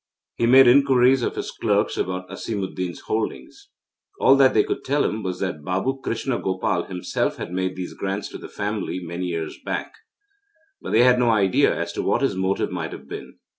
He made inquiries of his clerks about Asimuddin's holdings. All that they could tell him was that Babu Krishna Gopal himself had made these grants to the family many years back, but they had no idea as to what his motive might have been.